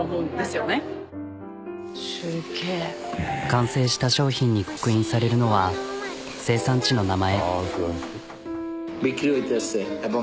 完成した商品に刻印されるのは生産地の名前。